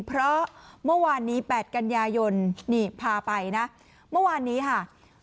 เพราะเมื่อวานนี้๘กันยายนนี่พาไปนะเมื่อวานนี้ค่ะ